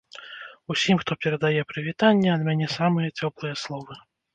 Усім, хто перадае прывітанні, ад мяне самыя цёплыя словы.